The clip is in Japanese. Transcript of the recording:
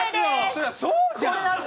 そりゃそうじゃん！